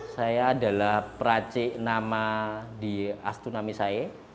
saya adalah peracik nama di astunami sae